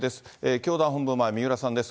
教団本部前、三浦さんです。